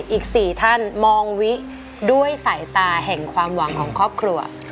อีก๔ท่านมองวิด้วยสายตาแห่งความหวังของครอบครัว